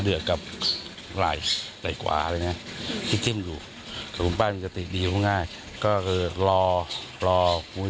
เพื่อจะทำการตัดเหล็กการตัดไล้พอง่าย